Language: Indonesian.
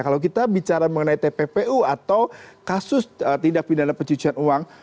kalau kita bicara mengenai tppu atau kasus tindak pidana pencucian uang